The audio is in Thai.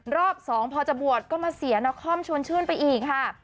รอบสองพอจะบวชก็มาเสียนครชวนชื่นไปอีกค่ะ